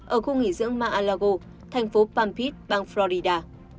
ở khu nghỉ dưỡng mar a lago thành phố palm beach bang florida